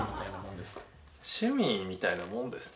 趣味みたいなもんですね。